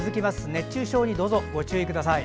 熱中症にどうぞご注意ください。